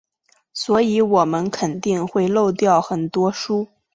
所以我们肯定会漏掉很多书。